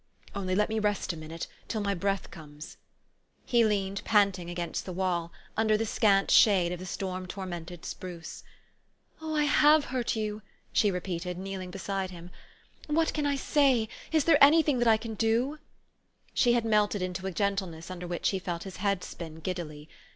Only let me rest a minute, till my breath comes. " He leaned panting against the wall, under the scant shade of the storm tormented spruce. "Oh! I have hurt you," she repeated, kneeling beside him. " What can I say? Is there any thing that I can do?" She had melted into a gentleness under which he felt his head spin giddily.